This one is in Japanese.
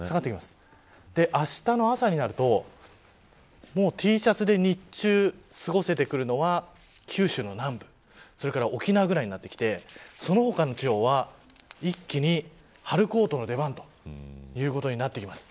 あしたの朝になるとＴシャツで日中過ごせてくるのは九州の南部それから沖縄くらいになってきてその他の地方は一気に春コートの出番ということになってきます。